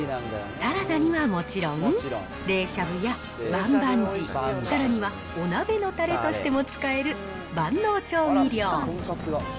サラダにはもちろん、冷しゃぶや棒棒鶏、さらにはお鍋のたれとしても使える万能調味料。